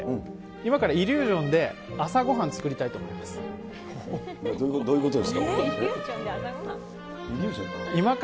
今からイリュージョンで、朝ごはどういうことですか。